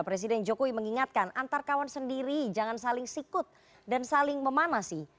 presiden jokowi mengingatkan antar kawan sendiri jangan saling sikut dan saling memanasi